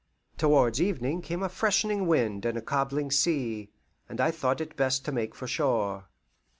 Towards evening came a freshening wind and a cobbling sea, and I thought it best to make for shore.